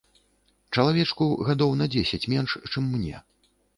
Чалавечку гадоў на дзесяць менш, чым мне.